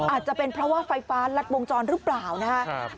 อาจจะเป็นเพราะว่าไฟฟ้ารัดวงจรหรือเปล่านะครับ